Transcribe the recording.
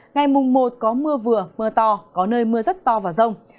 ngày mùng một có mưa vừa mưa to có nơi mưa rất to và rông